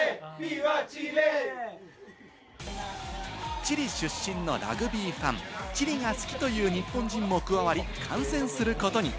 チリ出身のラグビーファン、チリが好きという日本人も加わり観戦することに。